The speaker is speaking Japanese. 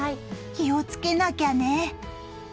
気をつけなきゃね。